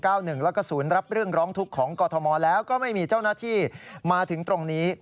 แล้วก็ศูนย์รับเรื่องร้องทุกข์ของกรทมแล้วก็ไม่มีเจ้าหน้าที่มาถึงตรงนี้